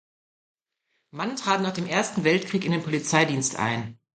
Mann trat nach dem Ersten Weltkrieg in den Polizeidienst ein.